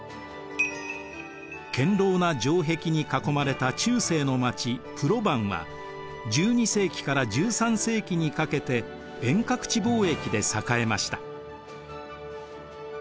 堅ろうな城壁に囲まれた中世の街プロヴァンは１２世紀から１３世紀にかけて遠隔地貿易で栄えました。